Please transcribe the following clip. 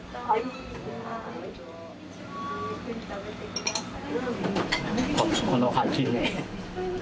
ゆっくり食べてください。